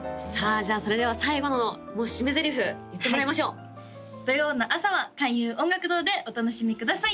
じゃあそれでは最後のもう締めゼリフ言ってもらいましょうはい土曜の朝は開運音楽堂でお楽しみください